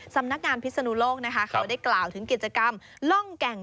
สำนักงานพิษนุโลกนะคะ